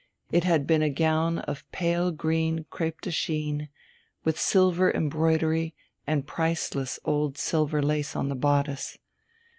It had been a gown of pale green crêpe de chine, with silver embroidery and priceless old silver lace on the bodice.